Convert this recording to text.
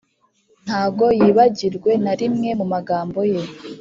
ntago yibagirwe na rimwe mu magambo ye: